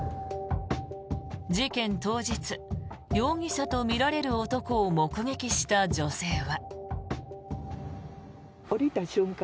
事件当日容疑者とみられる男を目撃した女性は。